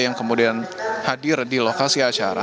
yang kemudian hadir di lokasi acara